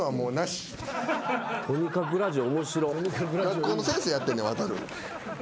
学校の先生やってんねんワタル。